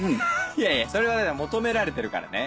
いやいやそれは求められてるからね。